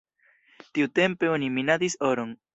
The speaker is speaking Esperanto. Tiutempe oni minadis oron.